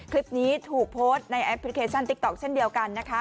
คลิปนี้ถูกโพสต์ในแอปพลิเคชันติ๊กต๊อกเช่นเดียวกันนะคะ